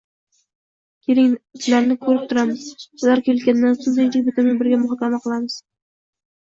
Keling, itlarni kutib turamiz, ular kelgandan so‘ng tinchlik bitimini birga muhokama qilamiz